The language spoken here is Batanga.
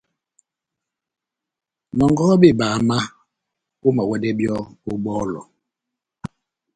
Nɔngɔhɔ bebama, omawɛdɛ byɔ́ ó bɔlɔ.